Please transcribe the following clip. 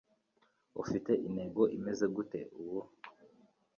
Ufite intego imeze gute ubu